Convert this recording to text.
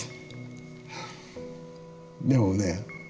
でもね